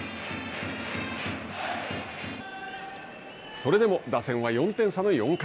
それでも打線は４点差の４回。